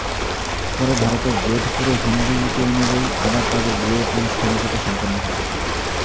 পরে ভারতের যোধপুরে হিন্দি রীতি অনুযায়ী আবার তাঁদের বিয়ের আনুষ্ঠানিকতা সম্পন্ন হয়।